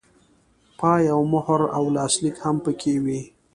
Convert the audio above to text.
پای او مهر او لاسلیک هم پکې وي.